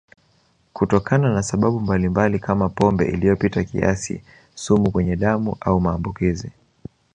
Kutokana na sababu mbalimbali kama pombe iliyopita kiasi sumu kwenye damu au maambukizi